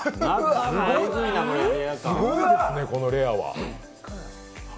すごいですね、このレアは。